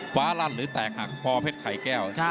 ฟ้าลั่นหรือแตกหักพอเพชรไข่แก้ว